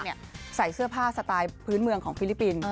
ที่ฟิลิปปินส์วันแรกใส่เสื้อผ้าสไตล์พื้นเมืองของฟิลิปปินส์